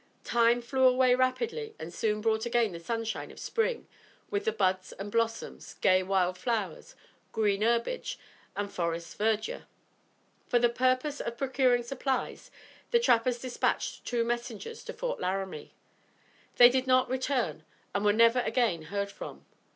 Time flew away rapidly and soon brought again the sunshine of spring with the buds and blossoms, gay wild flowers, green herbage and forest verdure. For the purpose of procuring supplies, the trappers dispatched two messengers to Fort Laramie. They did not return and were never again heard from.